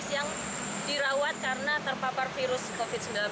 yang dirawat karena terpapar virus covid sembilan belas